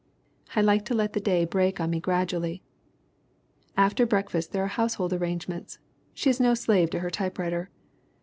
"I like to let the day break on me gradually." After breakfast there are household arrangements. She is no slave to her typewriter.